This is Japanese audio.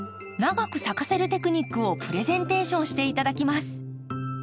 長く咲かせるテクニックをプレゼンテーションして頂きます。